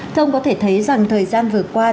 thông có thể thấy rằng thời gian vừa qua